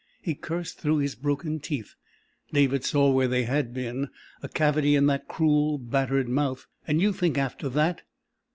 he cursed through his broken teeth. David saw where they had been a cavity in that cruel, battered mouth. "And you think, after that...."